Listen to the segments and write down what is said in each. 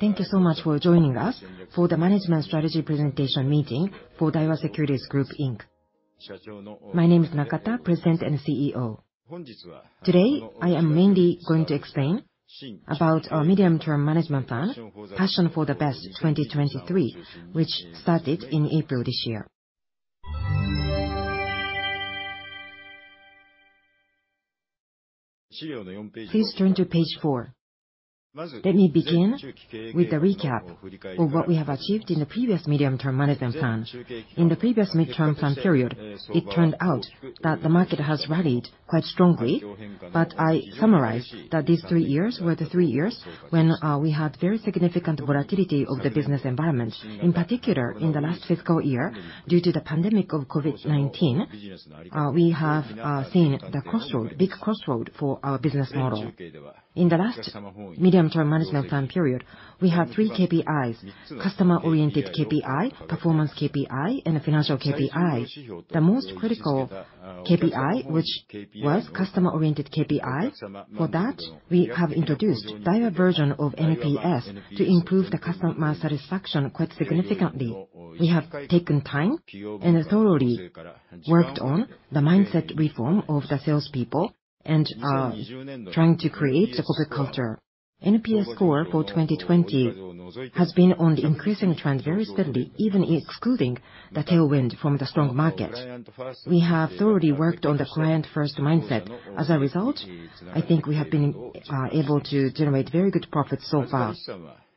Thank you so much for joining us for the management strategy presentation meeting for Daiwa Securities Group Inc. My name is Nakata, President and CEO. Today, I am mainly going to explain about our medium-term management plan, Passion for the Best 2023, which started in April this year. Please turn to page four. Let me begin with a recap of what we have achieved in the previous medium-term management plan. In the previous mid-term plan period, it turned out that the market has rallied quite strongly. I summarize that these three years were the three years when we had very significant volatility of the business environment. In particular, in the last fiscal year, due to the pandemic of COVID-19, we have seen the big crossroad for our business model. In the last medium-term management plan period, we had three KPIs, customer-oriented KPI, performance KPI, and financial KPI. The most critical KPI, which was customer-oriented KPI, for that, we have introduced Daiwa version of NPS to improve the customer satisfaction quite significantly. We have taken time and thoroughly worked on the mindset reform of the salespeople and are trying to create the corporate culture. NPS score for 2020 has been on the increasing trend very steadily, even excluding the tailwind from the strong market. We have thoroughly worked on the client-first mindset. As a result, I think we have been able to generate very good profits so far.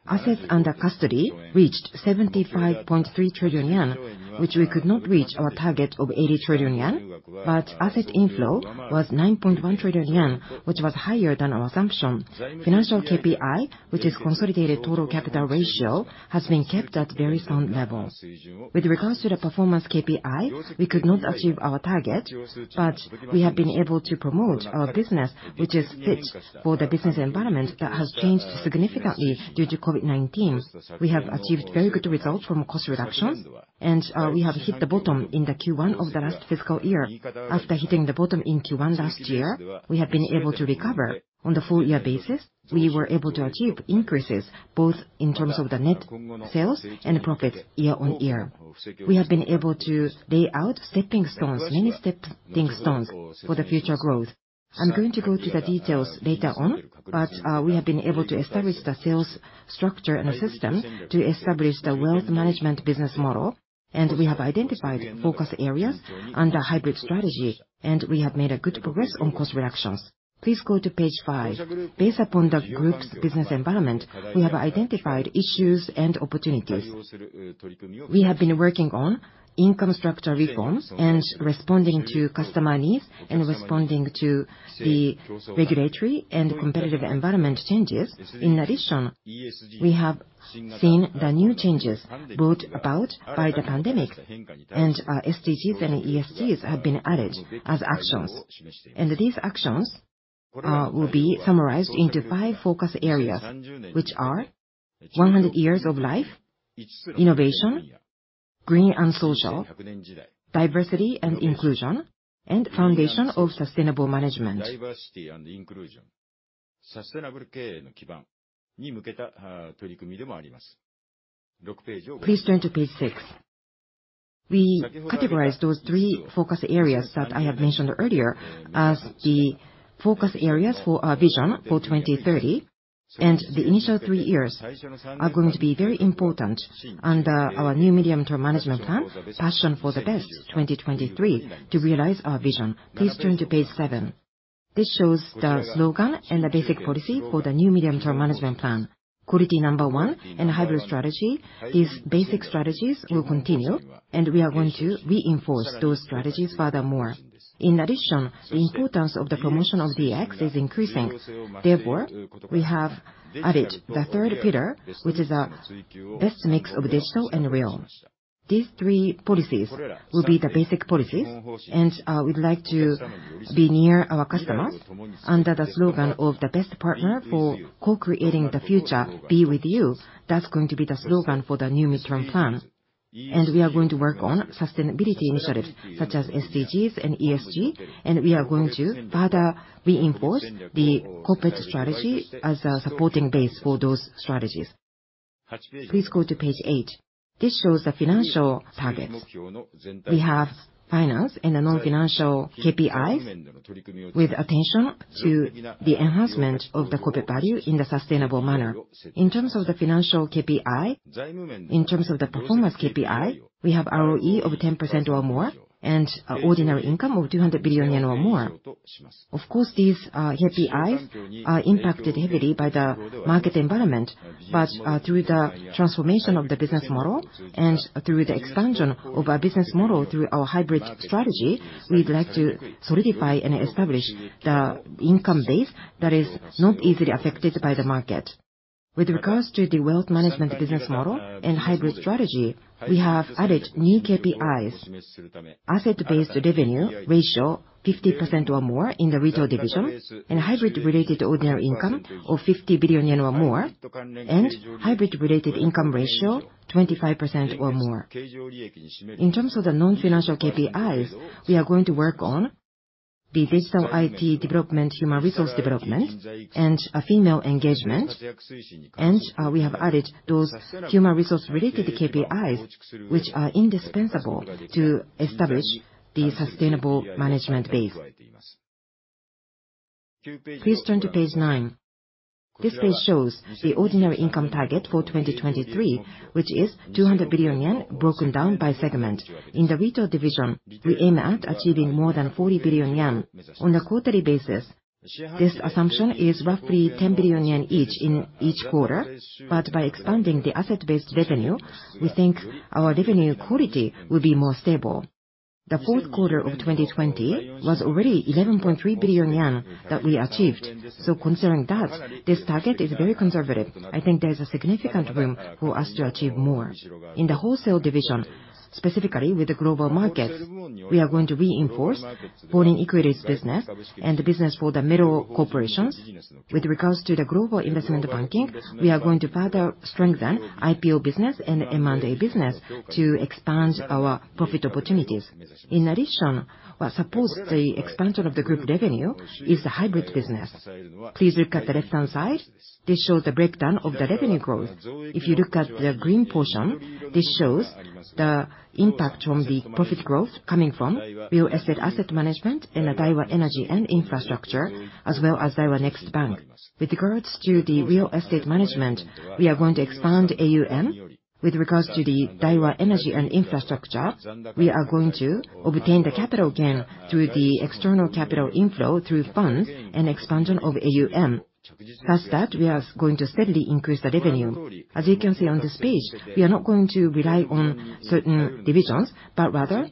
Assets under custody reached 75.3 trillion yen, which we could not reach our target of 80 trillion yen, but asset inflow was 9.1 trillion yen, which was higher than our assumption. Financial KPI, which is consolidated total capital ratio, has been kept at very sound levels. With regards to the performance KPI, we could not achieve our target. We have been able to promote our business, which is fit for the business environment that has changed significantly due to COVID-19. We have achieved very good results from cost reduction. We have hit the bottom in the Q1 of the last fiscal year. After hitting the bottom in Q1 last year, we have been able to recover. On the full year basis, we were able to achieve increases both in terms of the net sales and profits year-on-year. We have been able to lay out stepping stones, many stepping stones, for the future growth. I'm going to go to the details later on. We have been able to establish the sales structure and system to establish the wealth management business model. We have identified focus areas under hybrid strategy. We have made good progress on cost reductions. Please go to page five. Based upon the group's business environment, we have identified issues and opportunities. We have been working on income structure reforms and responding to customer needs and responding to the regulatory and competitive environment changes. In addition, we have seen the new changes brought about by the pandemic. Our SDGs and ESGs have been added as actions. These actions will be summarized into five focus areas, which are 100 years of life, innovation, green and social, diversity and inclusion, and foundation of sustainable management. Please turn to page six. We categorize those three focus areas that I have mentioned earlier as the focus areas for our vision for 2030, and the initial three years are going to be very important under our new medium-term management plan, Passion for the Best 2023, to realize our vision. Please turn to page seven. This shows the slogan and the basic policy for the new medium-term management plan. Quality number one and hybrid strategy, these basic strategies will continue, and we are going to reinforce those strategies furthermore. In addition, the importance of the promotion of DX is increasing. Therefore, we have added the third pillar, which is a best mix of digital and real. These three policies will be the basic policies, and we'd like to be near our customers under the slogan of the best partner for co-creating the future, "Be with you." That's going to be the slogan for the new midterm plan. We are going to work on sustainability initiatives such as SDGs and ESG, and we are going to further reinforce the corporate strategy as a supporting base for those strategies. Please go to page eight. This shows the financial targets. We have finance and the non-financial KPIs with attention to the enhancement of the corporate value in the sustainable manner. In terms of the financial KPI, in terms of the performance KPI, we have ROE of 10% or more and ordinary income of 200 billion yen or more. Of course, these KPIs are impacted heavily by the market environment. Through the transformation of the business model and through the expansion of our business model through our hybrid strategy, we'd like to solidify and establish the income base that is not easily affected by the market. With regards to the wealth management business model and hybrid strategy, we have added new KPIs. Asset-based revenue ratio, 50% or more in the retail division, and hybrid-related ordinary income of 50 billion yen or more, and hybrid-related income ratio, 25% or more. In terms of the non-financial KPIs, we are going to work on the digital IT development, human resource development, and female engagement. We have added those human resource-related KPIs, which are indispensable to establish the sustainable management base. Please turn to page nine. This page shows the ordinary income target for 2023, which is 200 billion yen broken down by segment. In the retail division, we aim at achieving more than 40 billion yen on a quarterly basis. This assumption is roughly 10 billion yen each in each quarter. By expanding the asset-based revenue, we think our revenue quality will be more stable. The fourth quarter of 2020 was already 11.3 billion yen that we achieved. Considering that, this target is very conservative. I think there's a significant room for us to achieve more. In the wholesale division, specifically with the global markets, we are going to reinforce foreign equities business and the business for the middle corporations. With regards to the global investment banking, we are going to further strengthen IPO business and M&A business to expand our profit opportunities. In addition, what supports the expansion of the group revenue is the hybrid business. Please look at the left-hand side. This shows the breakdown of the revenue growth. If you look at the green portion, this shows the impact from the profit growth coming from real estate asset management and the Daiwa Energy & Infrastructure, as well as Daiwa Next Bank. With regards to the real estate management, we are going to expand AUM. With regards to the Daiwa Energy & Infrastructure, we are going to obtain the capital gain through the external capital inflow through funds and expansion of AUM. As such, we are going to steadily increase the revenue. As you can see on this page, we are not going to rely on certain divisions, but rather,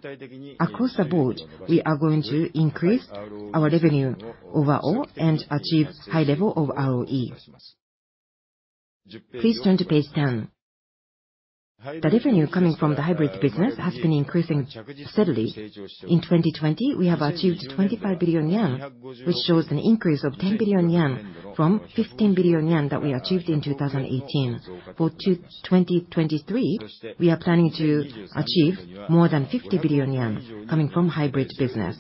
across the board, we are going to increase our revenue overall and achieve high level of ROE. Please turn to page 10. The revenue coming from the hybrid business has been increasing steadily. In 2020, we have achieved 25 billion yen, which shows an increase of 10 billion yen from 15 billion yen that we achieved in 2018. For 2023, we are planning to achieve more than 50 billion yen coming from hybrid business.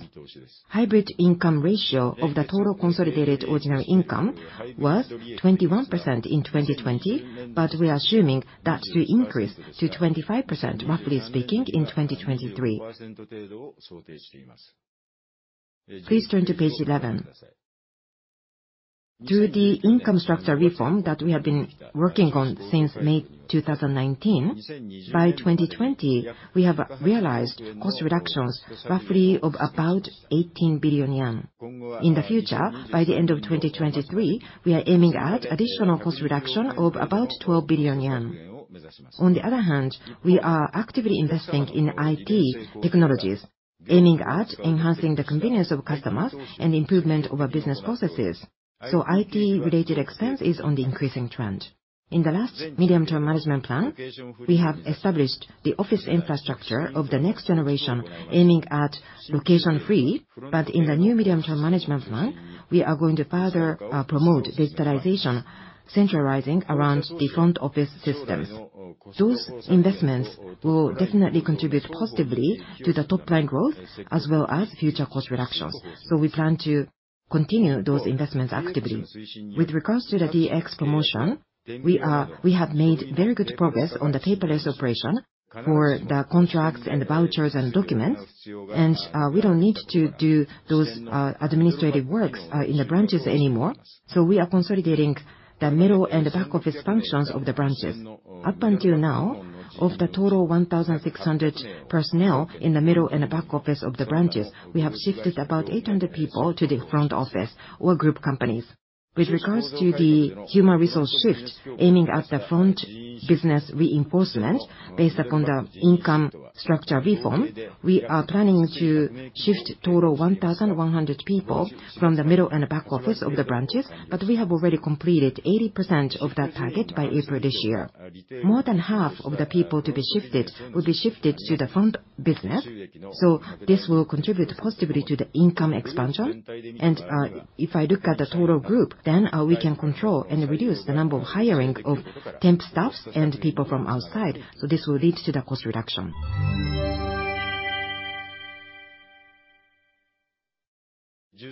Hybrid income ratio of the total consolidated ordinary income was 21% in 2020. We are assuming that to increase to 25%, roughly speaking, in 2023. Please turn to page 11. Through the income structure reform that we have been working on since May 2019, by 2020, we have realized cost reductions roughly of about 18 billion yen. In the future, by the end of 2023, we are aiming at additional cost reduction of about 12 billion yen. On the other hand, we are actively investing in IT technologies, aiming at enhancing the convenience of customers and improvement of our business processes. IT-related expense is on the increasing trend. In the last medium-term management plan, we have established the office infrastructure of the next generation, aiming at location free, but in the new medium-term management plan, we are going to further promote virtualization centralizing around the front-office systems. Those investments will definitely contribute positively to the top line growth as well as future cost reductions. We plan to continue those investments actively. With regards to the DX promotion, we have made very good progress on the paperless operation for the contracts and vouchers and documents, and we don't need to do those administrative works in the branches anymore. We are consolidating the middle and the back-office functions of the branches. Up until now, of the total 1,600 personnel in the middle and the back office of the branches, we have shifted about 800 people to the front office or group companies. With regards to the human resource shift, aiming at the front business reinforcement based upon the income structure reform, we are planning to shift total 1,100 people from the middle and back office of the branches, but we have already completed 80% of that target by April this year. More than half of the people to be shifted will be shifted to the front business. This will contribute positively to the income expansion. If I look at the total group, then we can control and reduce the number of hiring of temp staffs and people from outside. This will lead to the cost reduction.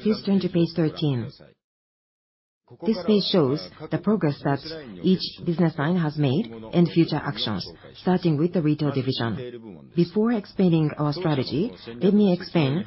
Please turn to page 13. This page shows the progress that each business line has made and future actions, starting with the retail division. Before explaining our strategy, let me explain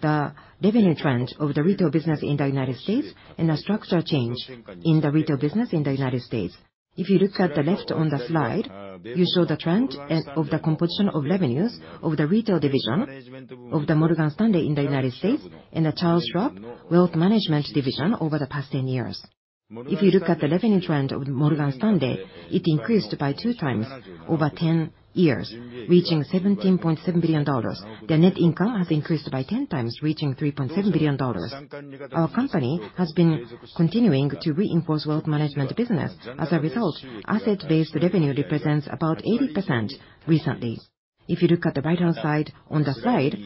the revenue trend of the retail business in the United States and the structure change in the retail business in the United States. If you look at the left on the slide, we show the trend of the composition of revenues of the retail division of the Morgan Stanley in the United States and the Charles Schwab Wealth Management division over the past 10 years. If you look at the revenue trend of Morgan Stanley, it increased by two times over 10 years, reaching $17.7 billion. The net income has increased by 10 times, reaching $3.7 billion. Our company has been continuing to reinforce wealth management business. As a result, asset-based revenue represents about 80% recently. If you look at the right-hand side, on the side,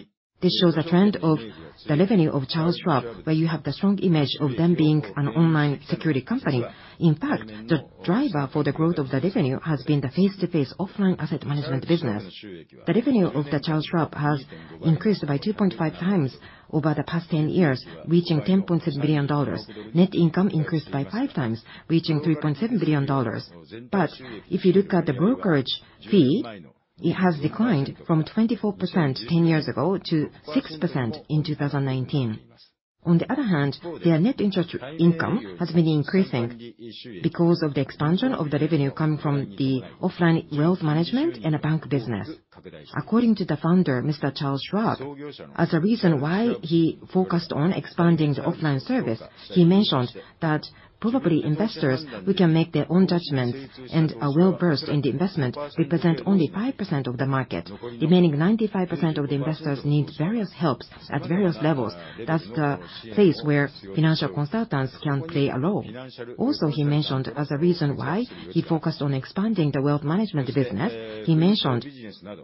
this shows a trend of the revenue of Charles Schwab, where you have the strong image of them being an online security company. In fact, the driver for the growth of the revenue has been the face-to-face offline asset management business. The revenue of Charles Schwab has increased by 2.5 times over the past 10 years, reaching $10.7 billion. Net income increased by five times, reaching $3.7 billion. If you look at the brokerage fee, it has declined from 24% 10 years ago to 6% in 2019. On the other hand, their net interest income has been increasing because of the expansion of the revenue coming from the offline wealth management and the bank business. According to the founder, Charles Schwab, as a reason why he focused on expanding the offline service, he mentioned that probably investors who can make their own judgments and are well-versed in the investment represent only 5% of the market. The remaining 95% of the investors need various helps at various levels. That's the place where financial consultants can play a role. Also, he mentioned as a reason why he focused on expanding the wealth management business, he mentioned,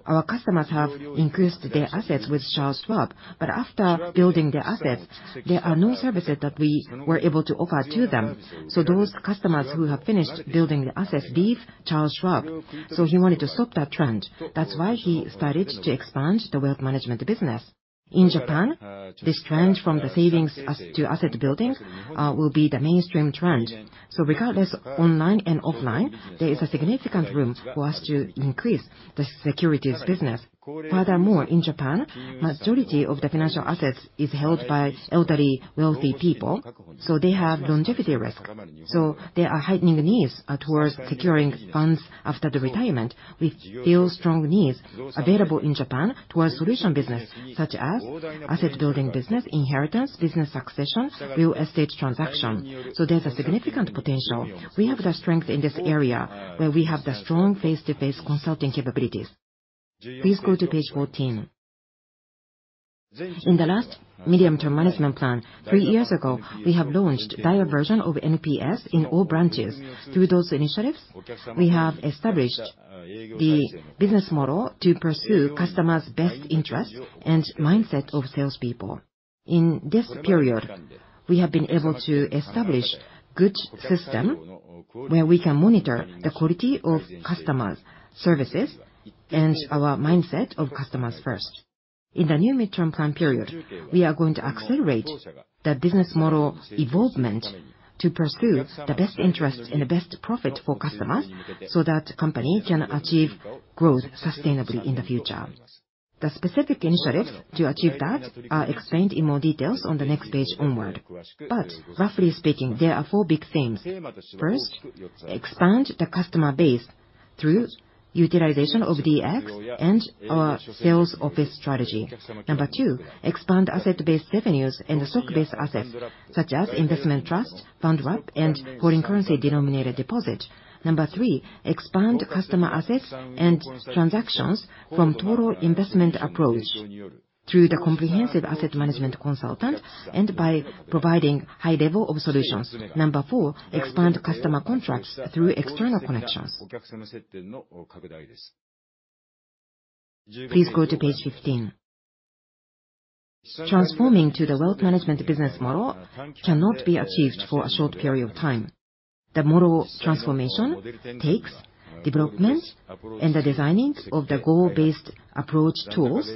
our customers have increased their assets with Charles Schwab, but after building their assets, there are no services that we were able to offer to them. Those customers who have finished building the assets leave Charles Schwab. He wanted to stop that trend. That's why he started to expand the wealth management business. In Japan, this trend from the savings to asset building will be the mainstream trend. Regardless, online and offline, there is a significant room for us to increase the securities business. Furthermore, in Japan, majority of the financial assets is held by elderly wealthy people, so they have longevity risk. There are heightening needs towards securing funds after the retirement, with still strong needs available in Japan towards solution business, such as asset building business, inheritance, business succession, real estate transaction. There's a significant potential. We have the strength in this area where we have the strong face-to-face consulting capabilities. Please go to page 14. In the last medium-term management plan, three years ago, we have launched Daiwa version of NPS in all branches. Through those initiatives, we have established the business model to pursue customers' best interest and mindset of salespeople. In this period, we have been able to establish good system where we can monitor the quality of customers services and our mindset of customers first. In the new midterm plan period, we are going to accelerate the business model evolvement to pursue the best interests and the best profit for customers, so that company can achieve growth sustainably in the future. The specific initiatives to achieve that are explained in more details on the next page onward. Roughly speaking, there are four big themes. First, expand the customer base through utilization of DX and our sales office strategy. Number two, expand asset-based revenues and stock-based assets, such as investment trust, fund wrap, and foreign currency denominated deposit. Number three, expand customer assets and transactions from total investment approach through the comprehensive asset management consultant and by providing high level of solutions. Number four, expand customer contracts through external connections. Please go to page 15. Transforming to the wealth management business model cannot be achieved for a short period of time. The model transformation takes development in the designing of the goal-based approach tools,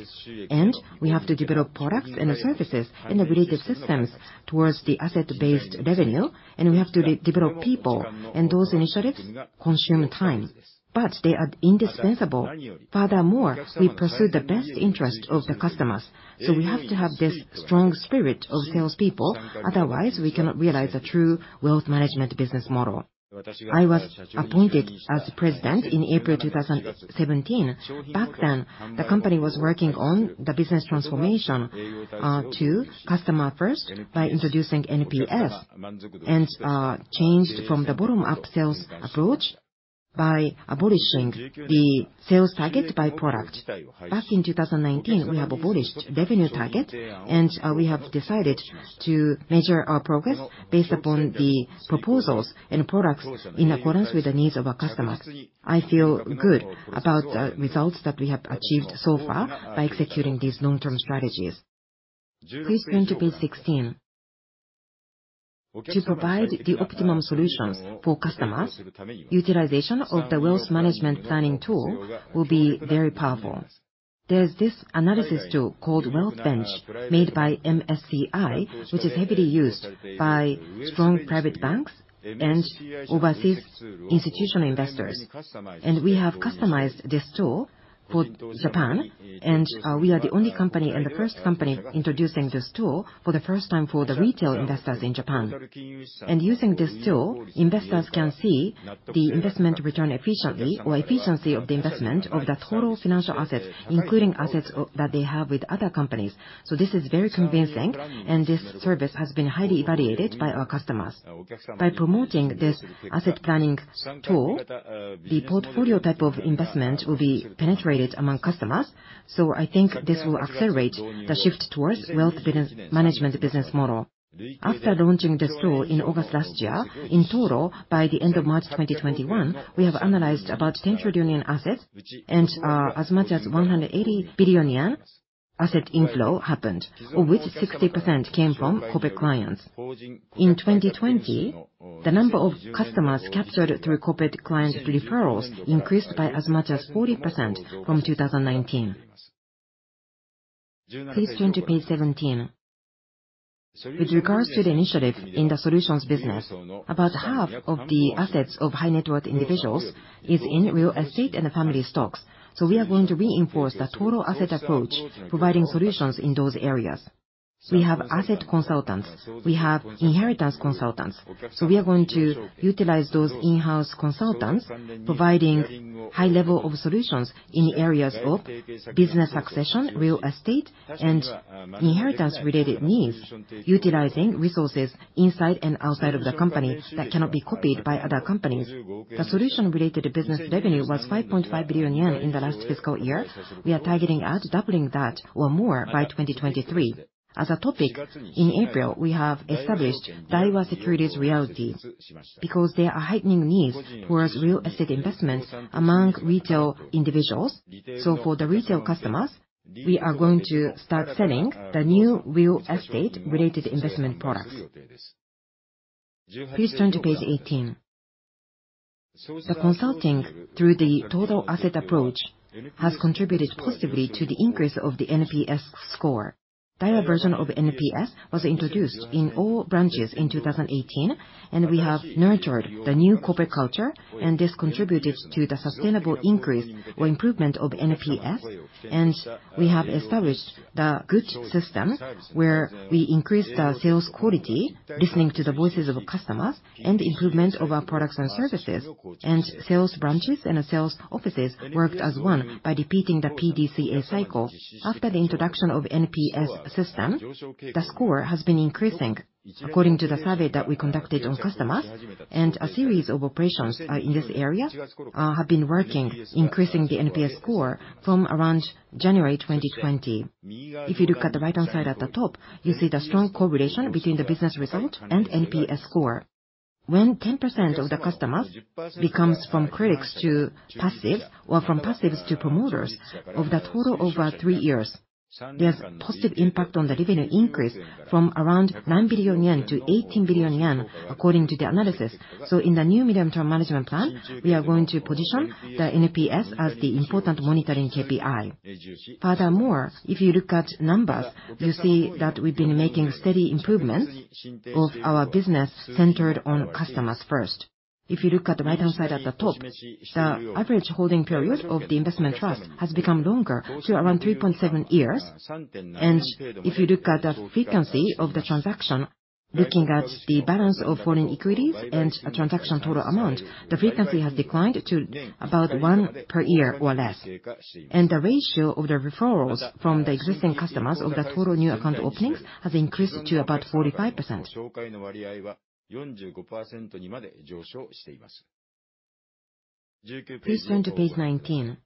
and we have to develop products and services and the related systems towards the asset-based revenue, and we have to develop people. Those initiatives consume time, but they are indispensable. Furthermore, we pursue the best interest of the customers, so we have to have this strong spirit of salespeople. Otherwise, we cannot realize the true wealth management business model. I was appointed as president in April 2017. Back then, the company was working on the business transformation to customer first by introducing NPS, and changed from the bottom-up sales approach by abolishing the sales target by product. Back in 2019, we have abolished revenue target, and we have decided to measure our progress based upon the proposals and products in accordance with the needs of our customers. I feel good about the results that we have achieved so far by executing these long-term strategies. Please turn to page 16. To provide the optimum solutions for customers, utilization of the wealth management planning tool will be very powerful. There's this analysis tool called WealthBench, made by MSCI, which is heavily used by strong private banks and overseas institutional investors. We have customized this tool for Japan, and we are the only company and the first company introducing this tool for the first time for the retail investors in Japan. Using this tool, investors can see the efficiency of the investment of the total financial assets, including assets that they have with other companies. This is very convincing, and this service has been highly evaluated by our customers. By promoting this asset planning tool, the portfolio type of investment will be penetrated among customers. I think this will accelerate the shift towards wealth management business model. After launching the store in August last year, in total, by the end of March 2021, we have analyzed about 10 trillion in assets and as much as 180 billion yen asset inflow happened, of which 60% came from corporate clients. In 2020, the number of customers captured through corporate client referrals increased by as much as 40% from 2019. Please turn to page 17. With regards to the initiative in the solutions business, about half of the assets of high-net-worth individuals is in real estate and family stocks. We are going to reinforce the total asset approach, providing solutions in those areas. We have asset consultants, we have inheritance consultants. We are going to utilize those in-house consultants, providing high level of solutions in areas of business succession, real estate, and inheritance-related needs, utilizing resources inside and outside of the company that cannot be copied by other companies. The solution related to business revenue was 5.5 billion yen in the last fiscal year. We are targeting at doubling that or more by 2023. As a topic, in April, we have established Daiwa Securities Real Estate because there are heightening needs towards real estate investments among retail individuals. For the retail customers, we are going to start selling the new real estate related investment products. Please turn to page 18. The consulting through the total asset approach has contributed positively to the increase of the NPS score. Daiwa version of NPS was introduced in all branches in 2018, and we have nurtured the new corporate culture, and this contributed to the sustainable increase or improvement of NPS. We have established the Good System, where we increase the sales quality, listening to the voices of customers, and improvement of our products and services. Sales branches and sales offices worked as one by repeating the PDCA cycle. After the introduction of NPS system, the score has been increasing, according to the survey that we conducted on customers, and a series of operations in this area have been working, increasing the NPS score from around January 2020. If you look at the right-hand side at the top, you see the strong correlation between the business result and NPS score. When 10% of the customers becomes from critics to passives or from passives to promoters, of the total over three years, there's positive impact on the revenue increase from around 9 billion yen to 18 billion yen, according to the analysis. In the new medium-term management plan, we are going to position the NPS as the important monitoring KPI. Furthermore, if you look at numbers, you see that we've been making steady improvements of our business centered on customers first. If you look at the right-hand side at the top, the average holding period of the investment trust has become longer to around 3.7 years. If you look at the frequency of the transaction, looking at the balance of foreign equities and transaction total amount, the frequency has declined to about one per year or less. The ratio of the referrals from the existing customers of the total new account openings has increased to about 45%. Please turn to page 19.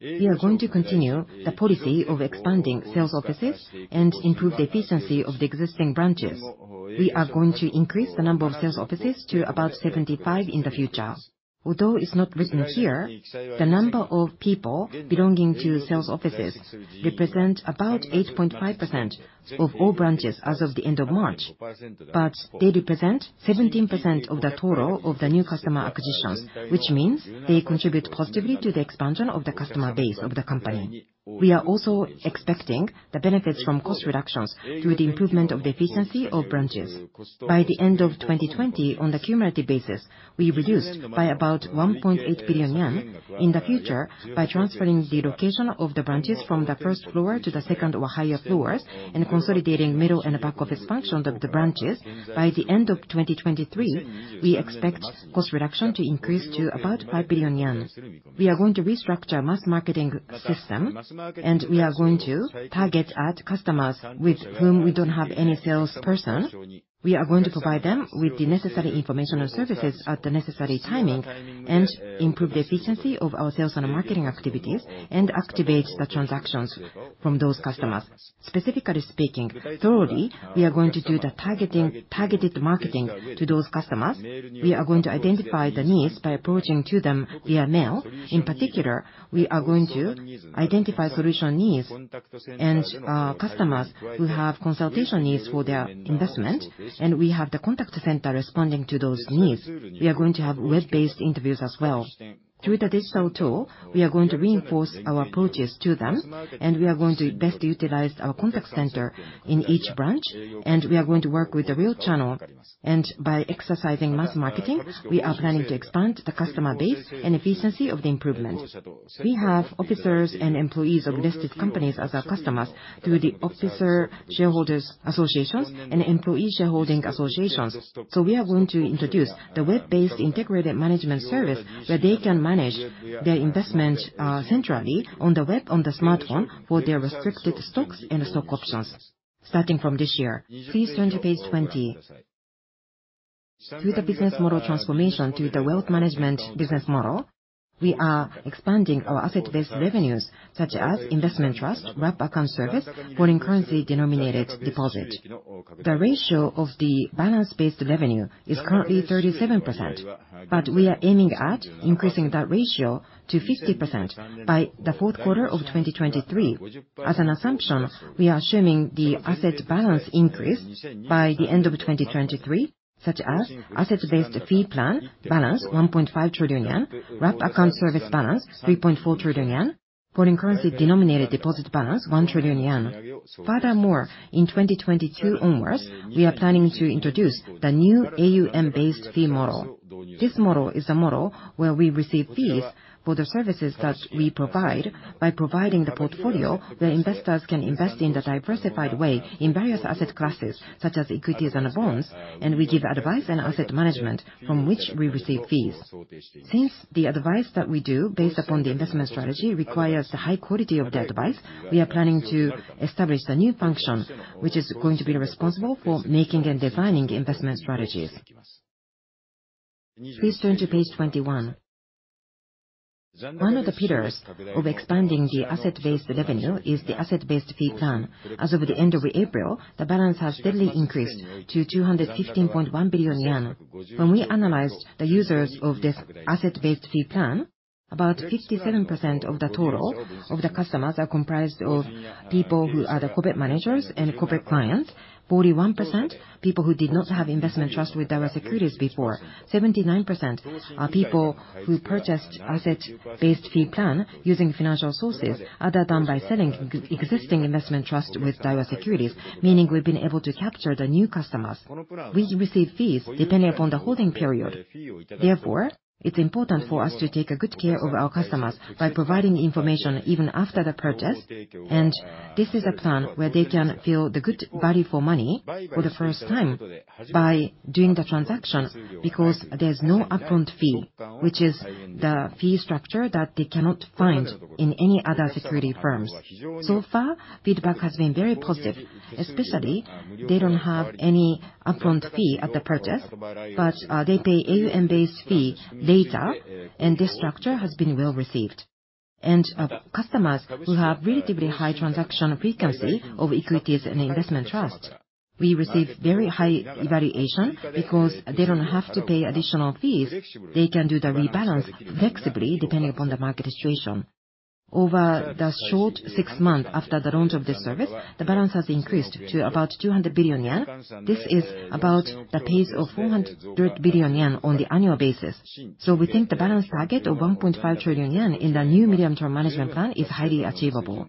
We are going to continue the policy of expanding sales offices and improve the efficiency of the existing branches. We are going to increase the number of sales offices to about 75 in the future. Although it's not written here, the number of people belonging to sales offices represent about 8.5% of all branches as of the end of March. They represent 17% of the total of the new customer acquisitions, which means they contribute positively to the expansion of the customer base of the company. We are also expecting the benefits from cost reductions through the improvement of the efficiency of branches. By the end of 2020, on the cumulative basis, we reduced by about 1.8 billion yen. In the future, by transferring the location of the branches from the first floor to the second or higher floors and consolidating middle and back office functions of the branches, by the end of 2023, we expect cost reduction to increase to about 5 billion yen. We are going to restructure mass marketing system, we are going to target at customers with whom we don't have any salesperson. We are going to provide them with the necessary information and services at the necessary timing, and improve the efficiency of our sales and marketing activities, and activate the transactions from those customers. Specifically speaking, thoroughly, we are going to do the targeted marketing to those customers. We are going to identify the needs by approaching to them via mail. In particular, we are going to identify solution needs and customers who have consultation needs for their investment, and we have the contact center responding to those needs. We are going to have web-based interviews as well. Through the digital tool, we are going to reinforce our approaches to them, and we are going to best utilize our contact center in each branch, and we are going to work with the real channel. By exercising mass marketing, we are planning to expand the customer base and efficiency of the improvement. We have officers and employees of listed companies as our customers through the officer shareholders associations and employee shareholding associations. We are going to introduce the web-based integrated management service where they can manage their investment centrally on the web, on the smartphone for their restricted stocks and stock options starting from this year. Please turn to page 20. Through the business model transformation to the wealth management business model, we are expanding our asset-based revenues such as investment trust, wrap account service, foreign currency denominated deposit. The ratio of the balance-based revenue is currently 37%, but we are aiming at increasing that ratio to 50% by the fourth quarter of 2023. As an assumption, we are assuming the asset balance increase by the end of 2023, such as asset-based fee plan balance 1.5 trillion yen, wrap account service balance 3.4 trillion yen, foreign currency denominated deposit balance 1 trillion yen. Furthermore, in 2022 onwards, we are planning to introduce the new AUM-based fee model. This model is a model where we receive fees for the services that we provide. By providing the portfolio, the investors can invest in a diversified way in various asset classes such as equities and bonds, and we give advice on asset management from which we receive fees. Since the advice that we do based upon the investment strategy requires a high quality of the advice, we are planning to establish a new function, which is going to be responsible for making and defining the investment strategies. Please go to page 21. One of the pillars of expanding the asset-based revenue is the asset-based fee plan. As of the end of April, the balance has steadily increased to 215.1 billion yen. When we analyzed the users of this asset-based fee plan, about 57% of the total of the customers are comprised of people who are the corporate managers and corporate clients, 41% people who did not have investment trust with Daiwa Securities before, 79% are people who purchased asset-based fee plan using financial sources, other than by selling existing investment trust with Daiwa Securities, meaning we've been able to capture the new customers. We receive fees depending upon the holding period. Therefore, it's important for us to take a good care of our customers by providing information even after the purchase. This is a plan where they can feel the good value for money for the first time by doing the transaction because there's no upfront fee, which is the fee structure that they cannot find in any other securities firms. Far, feedback has been very positive, especially they don't have any upfront fee at the purchase, but they pay AUM-based fee later, the structure has been well received. Our customers who have relatively high transaction frequency of equities and investment trust. We receive very high valuation because they don't have to pay additional fees. They can do the rebalance flexibly depending upon the market situation. Over the short six months after the launch of this service, the balance has increased to about 200 billion yen. This is about the pace of 400 billion yen on the annual basis. We think the balance target of 1.5 trillion yen in the new medium-term management plan is highly achievable.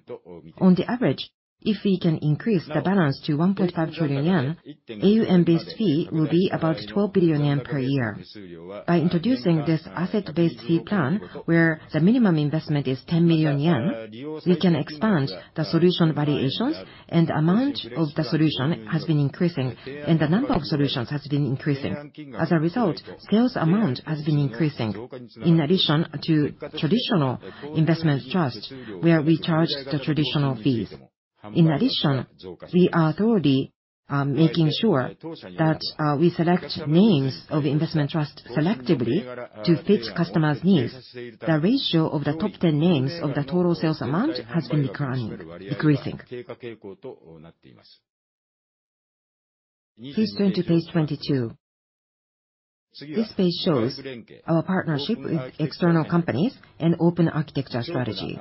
On the average, if we can increase the balance to 1.5 trillion yen, AUM-based fee will be about 12 billion yen per year. By introducing this asset-based fee plan, where the minimum investment is 10 million yen, we can expand the solution variations and amount of the solution has been increasing, and the number of solutions has been increasing. As a result, sales amount has been increasing. In addition to traditional investment trust, where we charge the traditional fees, in addition, we are thoroughly making sure that we select names of investment trust selectively to fit customers' needs. The ratio of the top 10 names of the total sales amount has been decreasing. Please go to page 22. This page shows our partnership with external companies and open architecture strategy.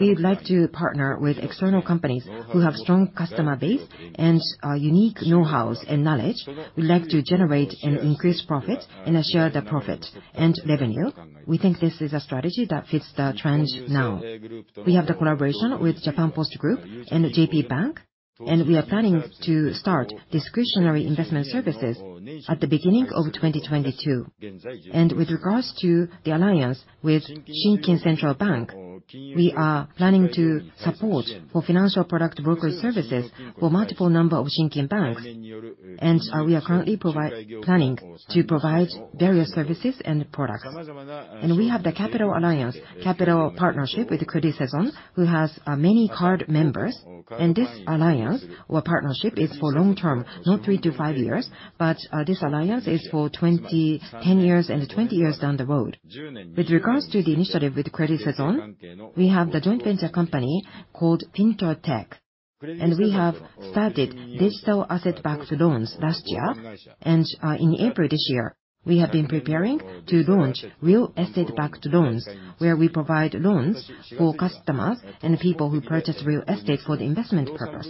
We would like to partner with external companies who have strong customer base and unique know-hows and knowledge. We would like to generate an increased profit and share the profit and revenue. We think this is a strategy that fits the trend now. We have the collaboration with Japan Post Group and the JP Bank, we are planning to start discretionary investment services at the beginning of 2022. With regards to the alliance with Shinkin Central Bank, we are planning to support for financial product broker services for multiple number of Shinkin banks, and we are currently planning to provide various services and products. We have the capital alliance, capital partnership with Credit Saison, who has many card members. This alliance or partnership is for long term, not three to five years, but this alliance is for 10 years and 20 years down the road. With regards to the initiative with Credit Saison, we have the joint venture company called Fintertech, and we have started digital asset-backed loans last year. In April this year, we have been preparing to launch real asset-backed loans, where we provide loans for customers and people who purchase real estate for investment purpose.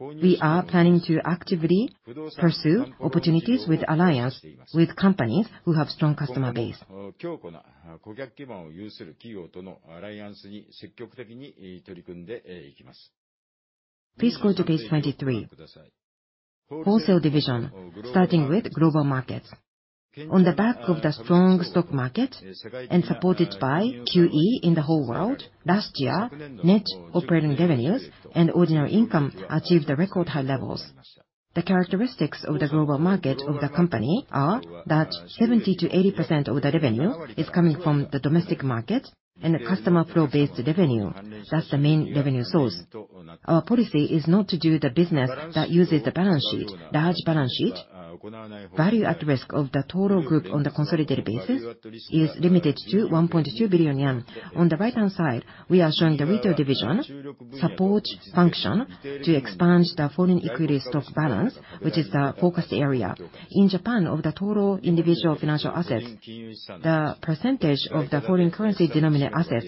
We are planning to actively pursue opportunities with alliance with companies who have strong customer base. Please go to page 23. Wholesale division, starting with global markets. On the back of the strong stock market and supported by QE in the whole world, last year, net operating revenues and ordinary income achieved the record high levels. The characteristics of the global market of the company are that 70%-80% of the revenue is coming from the domestic market, and the customer flow-based revenue, that's the main revenue source. Our policy is not to do the business that uses the large balance sheet. Value at risk of the total group on the consolidated basis is limited to 1.2 billion yen. On the right-hand side, we are showing the retail division support function to expand the foreign equity stock balance, which is our focus area. In Japan, of the total individual financial assets, the percentage of the foreign currency denominated assets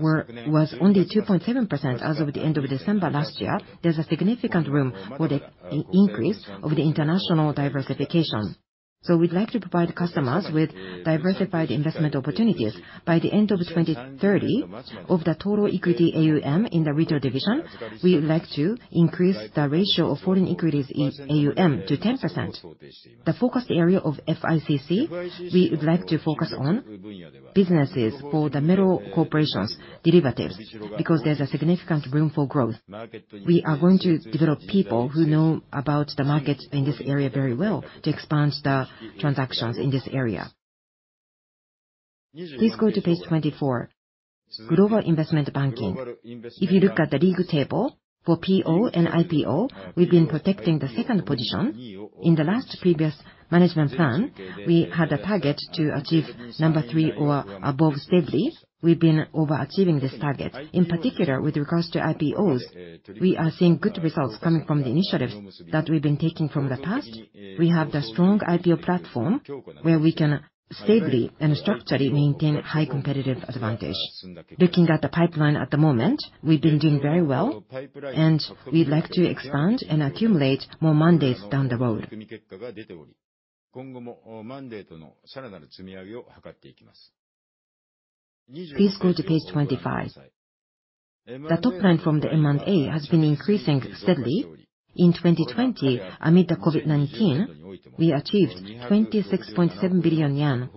was only 2.7% as of the end of December last year. There's a significant room for the increase of the international diversification. We'd like to provide customers with diversified investment opportunities. By the end of 2030, of the total equity AUM in the retail division, we would like to increase the ratio of foreign equities AUM to 10%. The focus area of FICC, we would like to focus on businesses for the middle corporations derivatives because there's a significant room for growth. We are going to develop people who know about the market in this area very well to expand the transactions in this area. Please go to page 24. Global investment banking. If you look at the deal table, for PO and IPO, we've been protecting the second position. In the last previous management plan, we had a target to achieve number three or above steadily. We've been overachieving this target. In particular, with regards to IPOs, we are seeing good results coming from the initiatives that we've been taking from the past. We have the strong IPO platform where we can steadily and structurally maintain high competitive advantage. Looking at the pipeline at the moment, we're doing very well, and we'd like to expand and accumulate more mandates down the road. Please go to page 25. The top line from the M&A has been increasing steadily. In 2020, amid the COVID-19, we achieved 26.7 billion yen.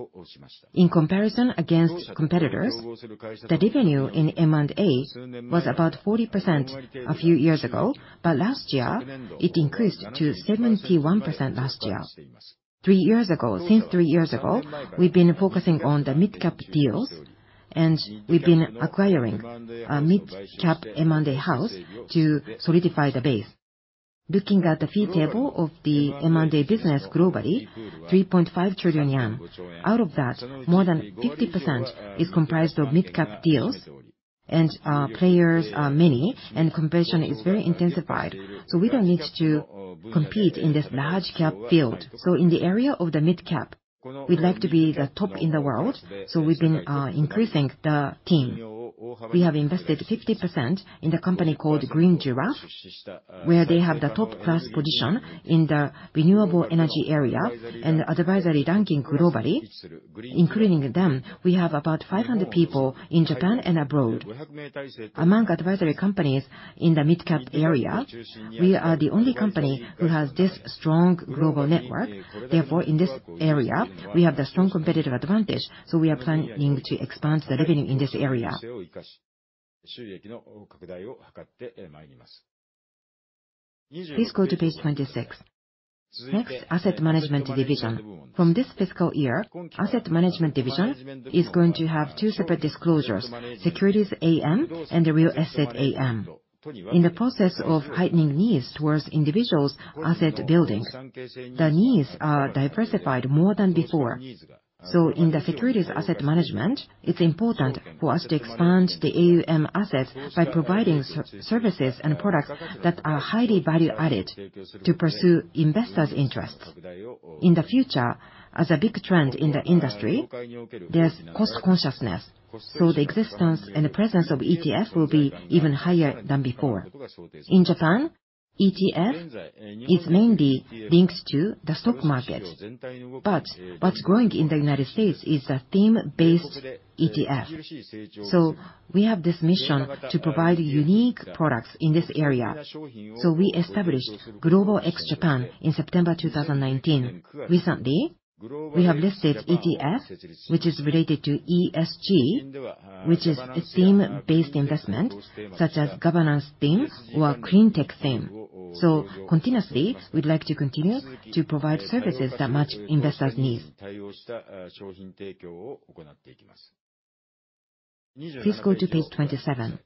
In comparison against competitors, the revenue in M&A was about 40% a few years ago, but last year, it increased to 71% last year. Since three years ago, we've been focusing on the mid-cap deals, and we've been acquiring a mid-cap M&A house to solidify the base. Looking at the fee table of the M&A business globally, 3.5 trillion yen. Out of that, more than 50% is comprised of mid-cap deals, and players are many, and competition is very intensified. We don't need to compete in this large cap field. In the area of the mid-cap, we'd like to be the top in the world. We've been increasing the team. We have invested 50% in the company called Green Giraffe, where they have the top class position in the renewable energy area and advisory banking globally. Including them, we have about 500 people in Japan and abroad. Among advisory companies in the mid-cap area, we are the only company who has this strong global network. Therefore, in this area, we have the strong competitive advantage. We are planning to expand the revenue in this area. Please go to page 26. Next, asset management division. From this fiscal year, asset management division is going to have two separate disclosures, securities AM and the real asset AM. In the process of heightening needs towards individuals' asset building, the needs are diversified more than before. In the securities asset management, it's important for us to expand the AUM assets by providing services and products that are highly value-added to pursue investors' interests. In the future, as a big trend in the industry, there's cost consciousness. The existence and presence of ETFs will be even higher than before. In Japan, ETF is mainly linked to the stock market. What's growing in the United States is the theme-based ETF. We have this mission to provide unique products in this area. We established Global X Japan in September 2019. Recently, we have listed ETF, which is related to ESG, which is theme-based investment such as governance theme or clean tech theme. Continuously, we'd like to continue to provide services that match investors' needs. Please go to page 27.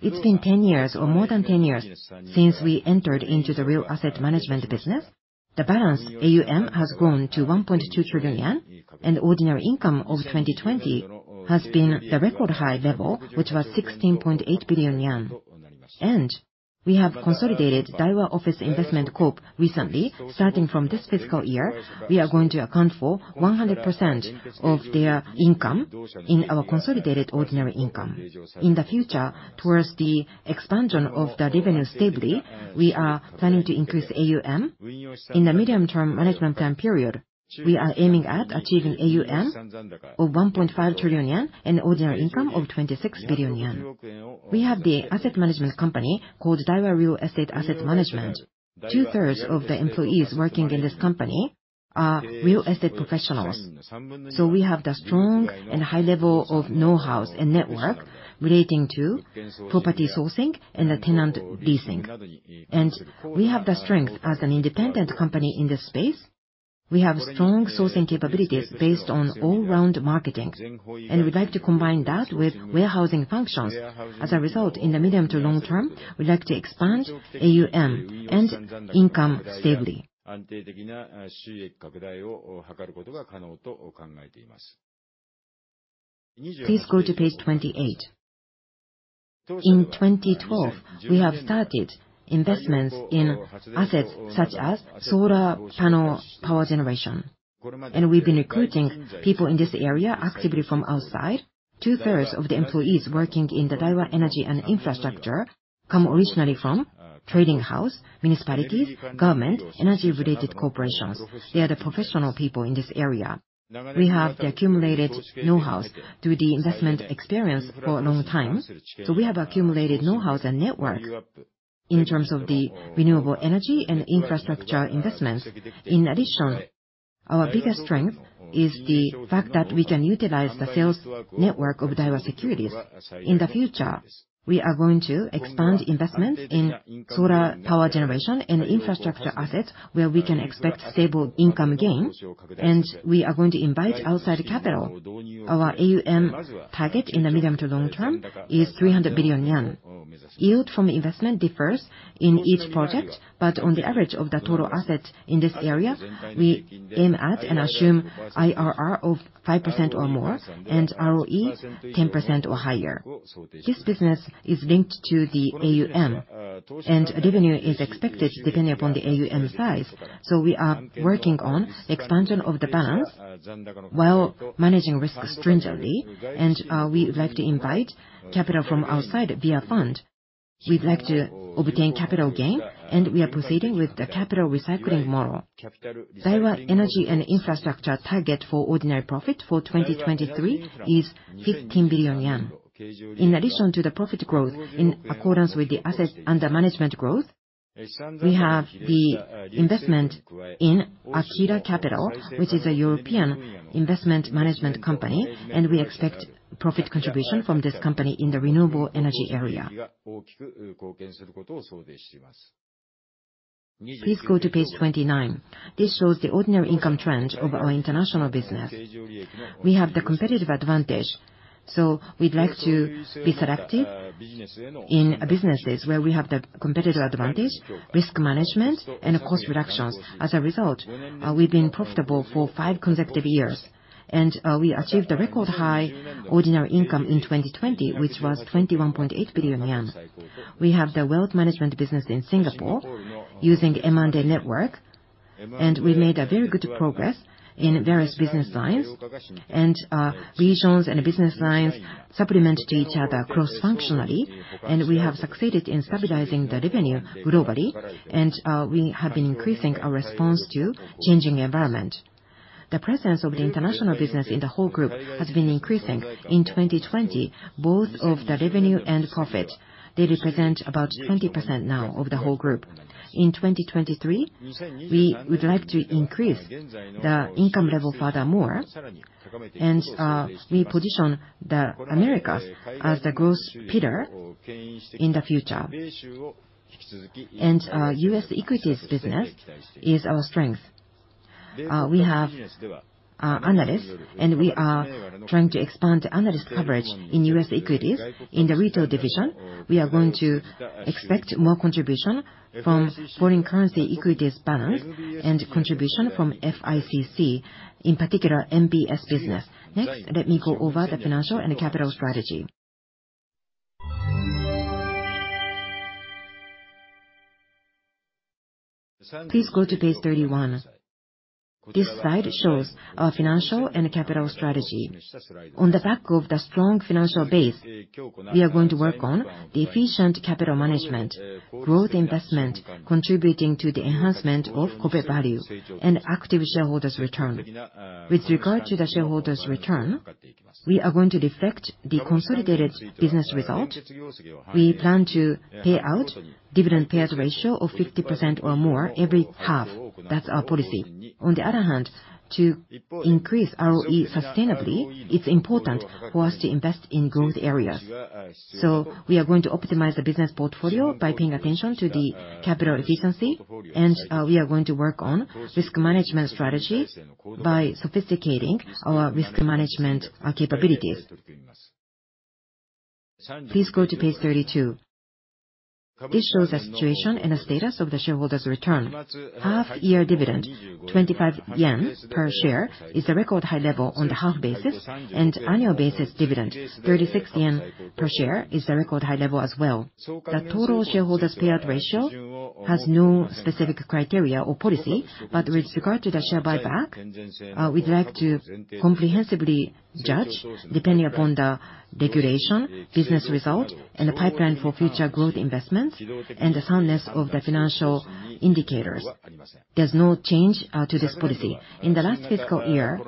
It's been 10 years or more than 10 years since we entered into the real asset management business. The balance AUM has grown to 1.2 trillion yen, and ordinary income of 2020 has been the record high level, which was 16.8 billion yen. We have consolidated Daiwa Office Investment Corp recently. Starting from this fiscal year, we are going to account for 100% of their income in our consolidated ordinary income. In the future, towards the expansion of the revenue steadily, we are planning to increase AUM. In the medium-term management plan period, we are aiming at achieving AUM of 1.5 trillion yen and ordinary income of 26 billion yen. We have the asset management company called Daiwa Real Estate Asset Management. Two-thirds of the employees working in this company are real estate professionals. We have the strong and high level of know-how and network relating to property sourcing and the tenant leasing. We have the strength as an independent company in this space. We have strong sourcing capabilities based on all-round marketing, and we'd like to combine that with warehousing functions. As a result, in the medium to long term, we'd like to expand AUM and income stably. Please go to page 28. In 2012, we have started investments in assets such as solar panel power generation, and we've been recruiting people in this area actively from outside. Two-thirds of the employees working in the Daiwa Energy & Infrastructure come originally from trading house, municipalities, government, energy related corporations. They are the professional people in this area. We have the accumulated know-hows through the investment experience for a long time. We have accumulated know-how and network in terms of the renewable energy and infrastructure investments. In addition, our biggest strength is the fact that we can utilize the sales network of Daiwa Securities. In the future, we are going to expand investments in solar power generation and infrastructure assets where we can expect stable income gain, and we are going to invite outside capital. Our AUM target in the medium to long term is 300 billion yen. Yield from investment differs in each project, but on the average of the total assets in this area, we aim at and assume IRR of 5% or more, and ROE 10% or higher. This business is linked to the AUM, and revenue is expected depending upon the AUM size. We are working on expansion of the balance while managing risks stringently, and we would like to invite capital from outside via fund. We'd like to obtain capital gain, and we are proceeding with the capital recycling model. Daiwa Energy & Infrastructure target for ordinary profit for 2023 is 15 billion yen. In addition to the profit growth in accordance with the assets under management growth, we have the investment in Aquila Capital, which is a European investment management company, and we expect profit contribution from this company in the renewable energy area. Please go to page 29. This shows the ordinary income trends of our international business. We have the competitive advantage, so we'd like to be selective in businesses where we have the competitive advantage, risk management, and cost reductions. As a result, we've been profitable for five consecutive years, and we achieved a record high ordinary income in 2020, which was 21.8 billion yen. We have the wealth management business in Singapore using M&A network, and we made a very good progress in various business lines, and regions and business lines supplement to each other cross-functionally. We have succeeded in stabilizing the revenue globally, and we have been increasing our response to changing environment. The presence of the international business in the whole group has been increasing. In 2020, both of the revenue and profit, they represent about 20% now of the whole group. In 2023, we would like to increase the income level furthermore, and we position the Americas as the growth pillar in the future. U.S. equities business is our strength. We have analysts, and we are trying to expand analyst coverage in U.S. equities in the retail division. We are going to expect more contribution from foreign currency equities balance and contribution from FICC, in particular MBS business. Next, let me go over the financial and capital strategy. Please go to page 31. This slide shows our financial and capital strategy. On the back of the strong financial base, we are going to work on the efficient capital management, growth investment contributing to the enhancement of corporate value, and active shareholders' return. With regard to the shareholders' return, we are going to reflect the consolidated business result. We plan to pay out dividend payout ratio of 50% or more every half. That's our policy. On the other hand, to increase ROE sustainably, it's important for us to invest in growth areas. We are going to optimize the business portfolio by paying attention to the capital efficiency, and we are going to work on risk management strategy by sophisticating our risk management capabilities. Please go to page 32. This shows the situation and the status of the shareholders' return. Half year dividend, 25 yen per share, is a record high level on the half basis, and annual basis dividend, 36 yen per share, is a record high level as well. The total shareholders payout ratio has no specific criteria or policy, but with regard to the share buyback, we'd like to comprehensively judge depending upon the regulation, business result, and the pipeline for future growth investments, and the soundness of the financial indicators. There's no change to this policy. In the last fiscal year,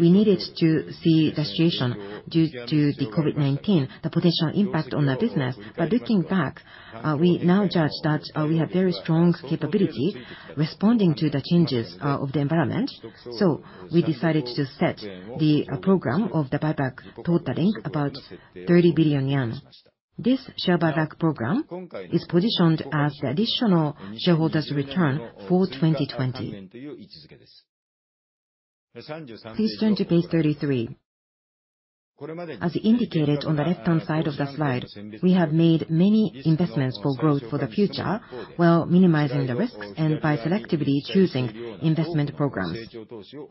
we needed to see the situation due to the COVID-19, the potential impact on the business. Looking back, we now judge that we have very strong capability responding to the changes of the environment. We decided to set the program of the buyback totaling about 30 billion yen. This share buyback program is positioned as additional shareholders return for 2020. Please turn to page 33. As indicated on the left-hand side of the slide, we have made many investments for growth for the future while minimizing the risk and by selectively choosing investment programs.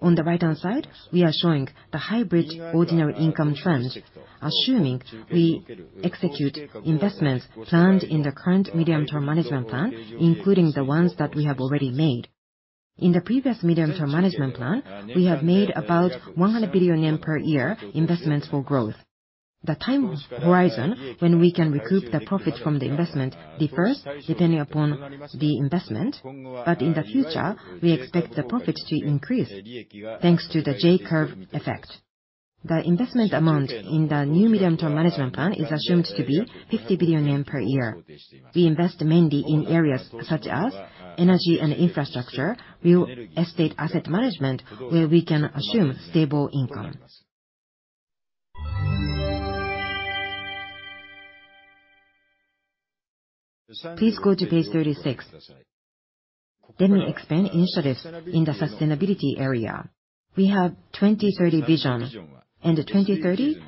On the right-hand side, we are showing the hybrid ordinary income trend, assuming we execute investment plans in the current medium-term management plan, including the ones that we have already made. In the previous medium-term management plan, we have made about 100 billion yen per year investments for growth. The time horizon when we can recoup the profit from the investment differs depending upon the investment. In the future, we expect the profit to increase thanks to the J-curve effect. The investment amount in the new medium-term management plan is assumed to be 50 billion yen per year. We invest mainly in areas such as energy and infrastructure, real estate asset management, where we can assume stable income. Please go to page 36. Let me explain initiatives in the sustainability area. We have 2030 vision, 2030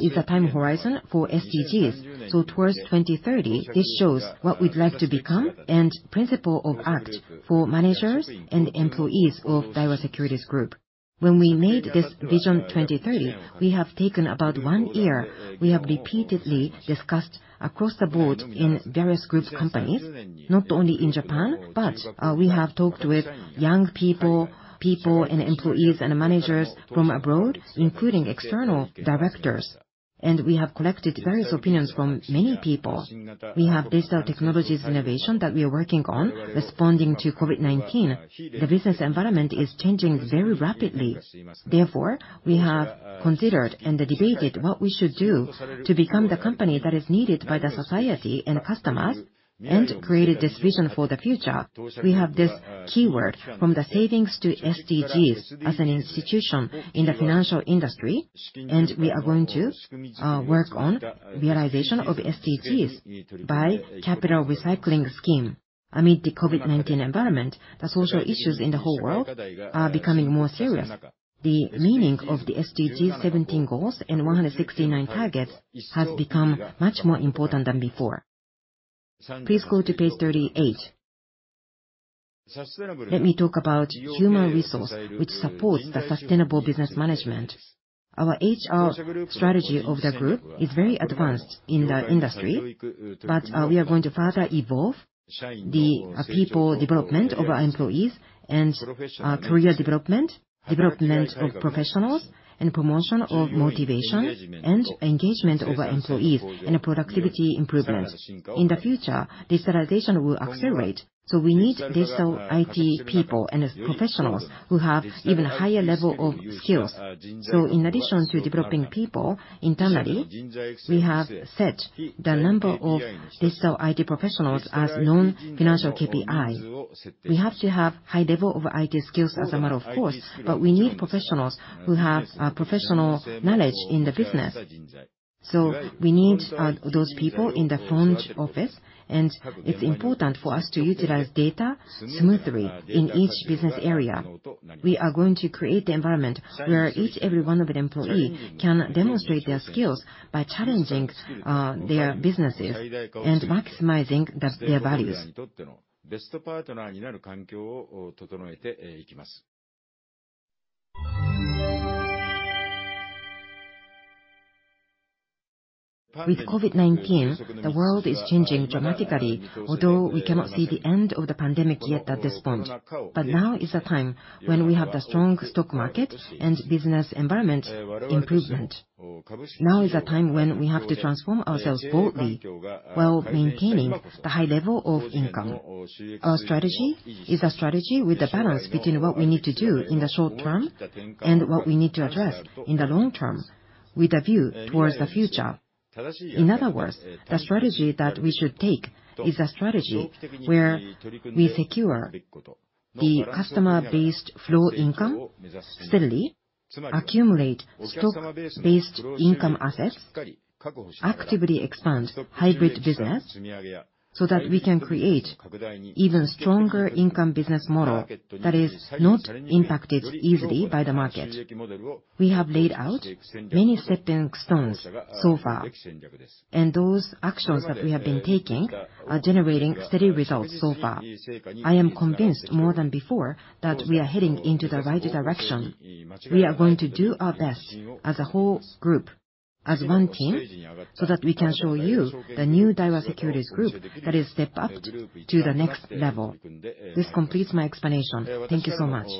is the time horizon for SDGs. Towards 2030, this shows what we'd like to become and principle of act for managers and employees of Daiwa Securities Group. When we made this Vision 2030, we have taken about one year. We have repeatedly discussed across the board in various group companies, not only in Japan, but we have talked with young people and employees and managers from abroad, including external directors. We have collected various opinions from many people. We have digital technologies innovation that we are working on responding to COVID-19. The business environment is changing very rapidly. We have considered and debated what we should do to become the company that is needed by the society and customers, and created this vision for the future. We have this keyword from the savings to SDGs as an institution in the financial industry, and we are going to work on realization of SDGs by capital recycling scheme. Amid the COVID-19 environment, the social issues in the whole world are becoming more serious. The meaning of the SDG 17 goals and 169 targets has become much more important than before. Please go to page 38. Let me talk about human resource, which supports the sustainable business management. Our HR strategy of the group is very advanced in the industry, but we are going to further evolve the people development of our employees and career development of professionals and promotion of motivation, and engagement of our employees and productivity improvements. In the future, digitalization will accelerate, so we need digital IT people and professionals who have even higher level of skills. In addition to developing people internally, we have set the number of digital IT professionals as non-financial KPI. We have to have high level of IT skills as a matter of course, but we need professionals who have professional knowledge in the business. We need those people in the front office, and it's important for us to utilize data smoothly in each business area. We are going to create the environment where each and every one of the employee can demonstrate their skills by challenging their businesses and maximizing their values. With COVID-19, the world is changing dramatically, although we cannot see the end of the pandemic yet at this point. Now is the time when we have the strong stock market and business environment improvement. Now is the time when we have to transform ourselves boldly while maintaining the high level of income. Our strategy is a strategy with the balance between what we need to do in the short term and what we need to address in the long term with a view towards the future. In other words, the strategy that we should take is a strategy where we secure the customer-based flow income steadily, accumulate stock-based income assets, actively expand hybrid business, so that we can create even stronger income business model that is not impacted easily by the market. We have laid out many stepping stones so far, and those actions that we have been taking are generating steady results so far. I am convinced more than before that we are heading into the right direction. We are going to do our best as a whole group, as one team, so that we can show you the new Daiwa Securities Group that is stepped up to the next level. This completes my explanation. Thank you so much.